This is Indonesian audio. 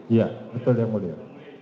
iya betul yang mulia